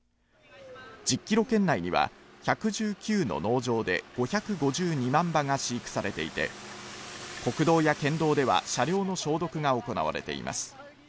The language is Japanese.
１０キロ圏内には１１９の農場で５５２万羽が飼育されていて国道や県道では車両の消毒が行われています